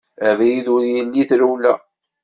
Abrid ur yelli i trewla.